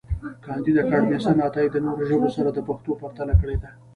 کانديد اکاډميسن عطایي د نورو ژبو سره د پښتو پرتله کړې ده.